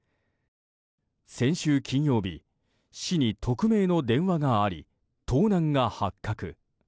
先週金曜日市に匿名の電話があり盗難が発覚。